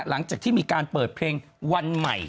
หลังจากที่มีการเปิดเพลงวันใหม่